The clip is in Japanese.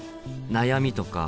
悩みとか。